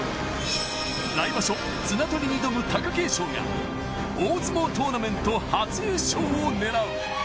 来場所、綱取りに挑む貴景勝が大相撲トーナメント初優勝を狙う。